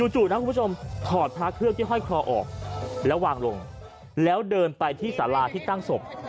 จู่นะคุณผู้ชมถอดพระเครื่องที่ห้อยคอออกแล้ววางลงแล้วเดินไปที่สาราที่ตั้งศพ